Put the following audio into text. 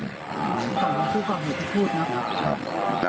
อ๋อสองคนผู้บาดเห็นเขาพูดนะครับ